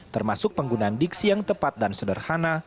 termasuk penggunaan diksi yang tepat dan sederhana